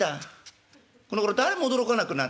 このごろ誰も驚かなくなった。